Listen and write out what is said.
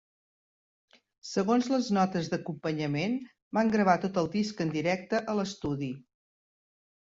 Segons les notes d'acompanyament, van gravar tot el disc en directe a l'estudi.